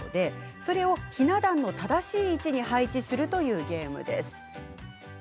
それを、ひな壇の正しい位置に配置するというゲームです。